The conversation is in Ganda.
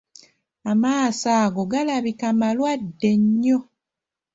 Amaaso ago galabika malwadde nnyo.